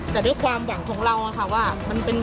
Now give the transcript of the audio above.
แต่ด้วยความหวังของเรา